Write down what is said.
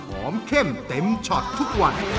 เข้มเต็มช็อตทุกวัน